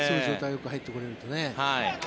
よく入ってこれるとね。